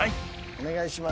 お願いします。